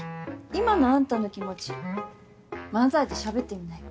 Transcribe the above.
今のアンタの気持ち漫才でしゃべってみなよ。